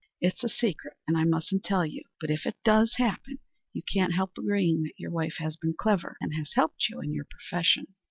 It's a secret, and I mustn't tell you, but if it does happen, you can't help agreeing that your wife has been clever and has helped you in your profession."